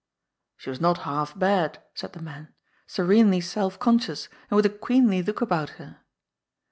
She was not half bad," said the men, ^' serenely self conscious, and with a queenly look about her."